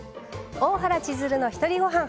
「大原千鶴のひとりごはん」。